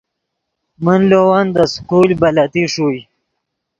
من لے ون دے سکول بلتی ݰوئے